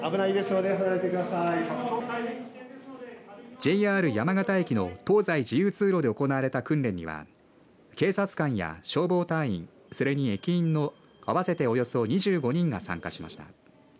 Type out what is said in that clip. ＪＲ山形駅の東西自由通路で行われた訓練には警察官や消防隊員それに駅員の合わせておよそ２５人が参加しました。